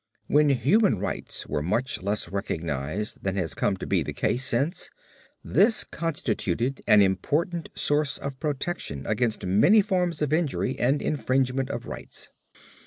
When human rights were much less recognized than has come to be the case since, this constituted an important source of protection against many forms of injury and infringement of rights.